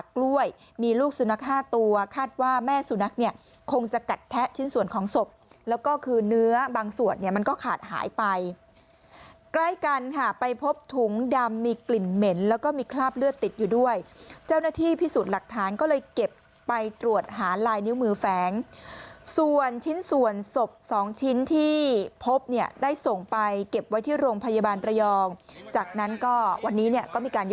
กล้วยมีลูกสุนัขห้าตัวคาดว่าแม่สุนัขเนี่ยคงจะกัดแทะชิ้นส่วนของศพแล้วก็คือเนื้อบางส่วนเนี่ยมันก็ขาดหายไปใกล้กันค่ะไปพบถุงดำมีกลิ่นเหม็นแล้วก็มีคราบเลือดติดอยู่ด้วยเจ้าหน้าที่พิสูจน์หลักฐานก็เลยเก็บไปตรวจหารายนิ้วมือแฟงส่วนชิ้นส่วนศพสองชิ้นที่พบเนี่ย